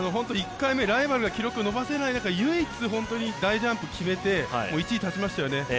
１回目、ライバルが記録を伸ばせなかった中唯一、大ジャンプを決めて１位に立ちましたよね。